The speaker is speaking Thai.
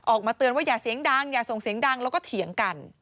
ออกมาเตือนว่าอย่าเสียงดังอย่าส่งเสียงดังแล้วก็เถียงกัน